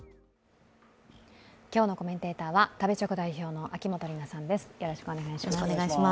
今日のコメンテーターは食べチョク代表の秋元里奈さんです。